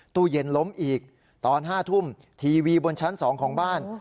ตู้เย็นล้มอีกตอน๕ทุ่มทีวีบนชั้น๒ของบ้าน